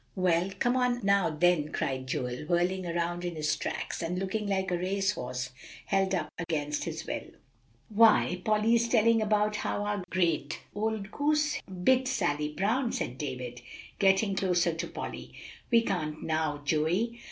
"Well, come on out now, then," cried Joel, whirling around in his tracks, and looking like a race horse held up against his will. "Why, Polly's telling about how our old gray goose bit Sally Brown," said David, getting closer to Polly; "we can't now, Joey."